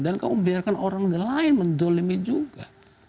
dan kamu biarkan orang lain menzolimi juga